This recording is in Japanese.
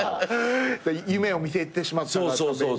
夢を見せてしまったがために。